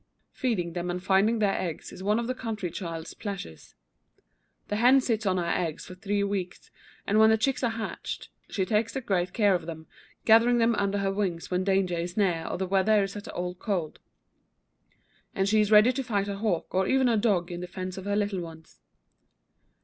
Feeding them and finding their eggs is one of the country child's pleasures. The hen sits on her eggs for three weeks; and when the chicks are hatched, she takes the greatest care of them, gathering them under her wings when danger is near or the weather is at all cold; and she is ready to fight a hawk or even a dog in defence of her little ones.